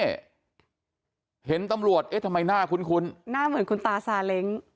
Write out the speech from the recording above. นี่เห็นตำรวจเอ๊ะทำไมหน้าคุ้นหน้าเหมือนคุณตาซาเล้ง